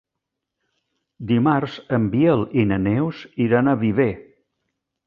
Dimarts en Biel i na Neus iran a Viver.